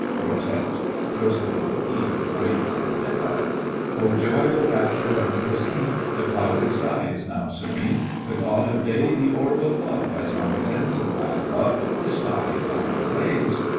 QUARTETTE JOSEPHINE, HEBE, RALPH, and DEADEYE Oh joy, oh rapture unforeseen, The clouded sky is now serene, The god of day—the orb of love, Has hung his ensign high above, The sky is all ablaze.